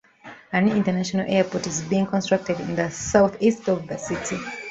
A new international airport is being constructed in the southeast of the city.